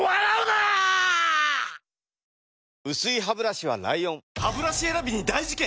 薄いハブラシは ＬＩＯＮハブラシ選びに大事件！